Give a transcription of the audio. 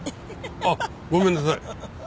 あっごめんなさい。